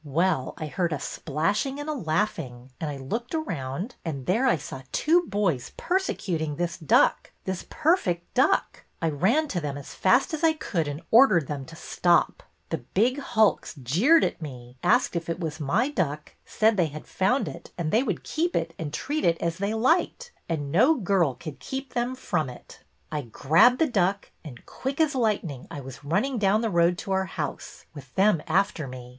Well, I heard a splashing and a laughing and I looked around, and there I saw two boys persecuting this duck, this per fect duck. I ran to them as fast as I could and ordered them to stop. The big hulks jeered at me, asked if it was my duck, said they had found it and they would keep it and treat it as they EDWYNA FROM THE WEST 189 liked, and no girl could keep them from it. I grabbed the duck and, quick as lightning, I was running down the road to our house, with them after me.